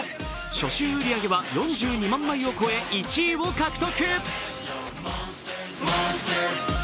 初週売り上げは４２万枚を超え１位を獲得。